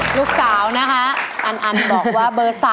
ลูกสาวนะคะอันบอกว่าเบอร์๓